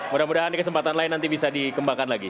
mudah mudahan di kesempatan lain nanti bisa dikembangkan lagi